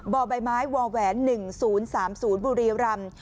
บ่อใบไม้วแหวน๑๐๓๐บุรีรำ